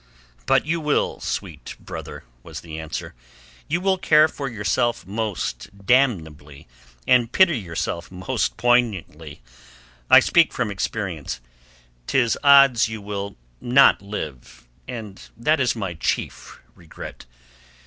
"But you will, sweet brother," was the answer. "You will care for yourself most damnably and pity yourself most poignantly. I speak from experience. 'Tis odds you will not live, and that is my chief regret.